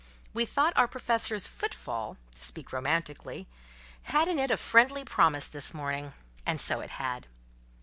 We thought our Professor's "foot fall" (to speak romantically) had in it a friendly promise this morning; and so it had.